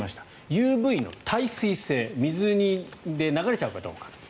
ＵＶの耐水性水で流れちゃうかどうか。